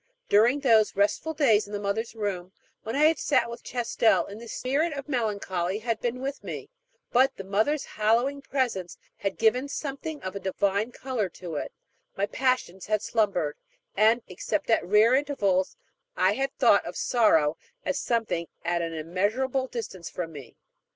During those restful days in the Mother's Room, when I had sat with Chastel, this spirit of melancholy had been with me; but the mother's hallowing presence had given something of a divine color to it, my passions had slumbered, and, except at rare intervals, I had thought of sorrow as of something at an immeasurable distance from me.